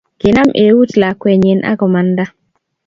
Kinam eut lakwenyi akamanda